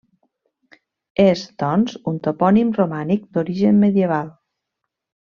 És, doncs, un topònim romànic d'origen medieval.